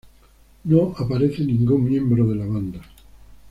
No aparece ningún miembro de la banda.